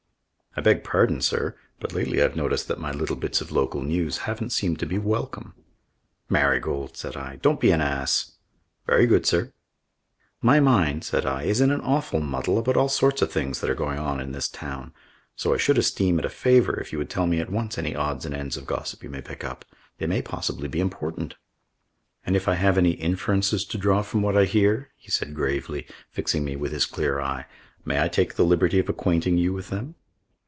"I beg pardon, sir, but lately I've noticed that my little bits of local news haven't seemed to be welcome." "Marigold," said I, "don't be an ass." "Very good, sir." "My mind," said I, "is in an awful muddle about all sorts of things that are going on in this town. So I should esteem it a favour if you would tell me at once any odds and ends of gossip you may pick up. They may possibly be important." "And if I have any inferences to draw from what I hear," said he gravely, fixing me with his clear eye, "may I take the liberty of acquainting you with them?"